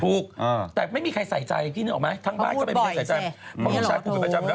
ทุกแต่ไม่มีใครใส่ใจทั้งบ้านก็ไม่มีใส่ใจ